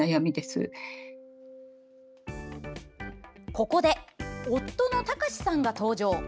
ここで、夫の隆志さんが登場。